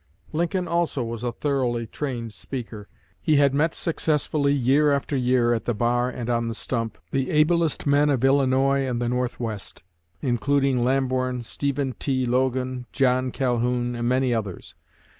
Lincoln also was a thoroughly trained speaker. He had met successfully, year after year, at the bar and on the stump, the ablest men of Illinois and the Northwest, including Lamborn, Stephen T. Logan, John Calhoun, and many others.